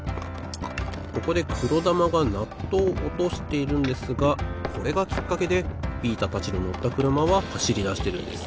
ここでくろだまがナットをおとしているんですがこれがきっかけでビータたちののったくるまははしりだしてるんです。